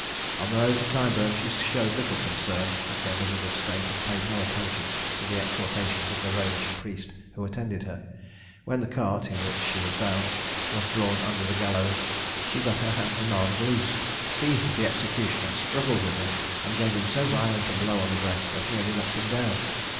On the road to Tyburn she showed little concern at her miserable state, and paid no attention to the exhortations of the Romish priest who attended her. When the cart, in which she was bound, was drawn under the gallows, she got her hands and arms loose, seized the executioner, struggled with him, and gave him so violent a blow on the breast as nearly knocked him down.